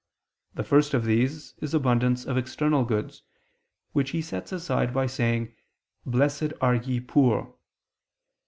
The first of these is abundance of external goods, which he sets aside by saying: "Blessed are ye poor."